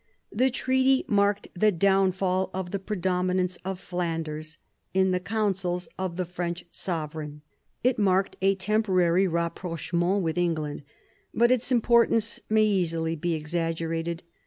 The treaty marked the downfall of the predominance of Flanders in the counsels of the French sovereign. It marked a temporary rapprochement with England. But its importance may easily be exaggerated.